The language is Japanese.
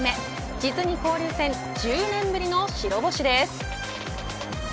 実に交流戦１０年ぶりの白星です。